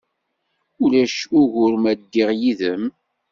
Ulac ugur ma ddiɣ yid-m?